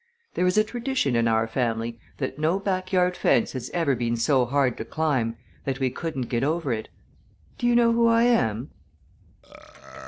There is a tradition in our family that no backyard fence has ever been so hard to climb that we couldn't get over it. Do you know who I am?"